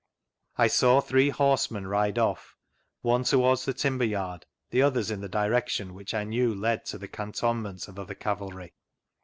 I saw three horsemen ride off, one towards the timber yard, the others in the dilution which I knew led to the cantonments of other cavalry.